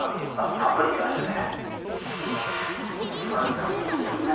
たっぷり見ましたね。